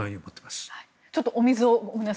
ちょっとお水を。